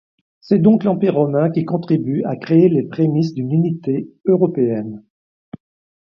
C'est donc l'Empire romain qui contribue à créer les prémices d'une unité européenne.